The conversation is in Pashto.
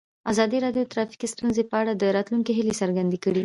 ازادي راډیو د ټرافیکي ستونزې په اړه د راتلونکي هیلې څرګندې کړې.